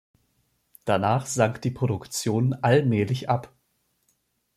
Danach sank die Produktion allmählich ab.